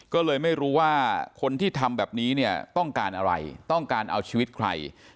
ก็เลยไม่รู้ว่าคนที่ทำแบบนี้เนี่ยต้องการอะไรต้องการเอาชีวิตใคร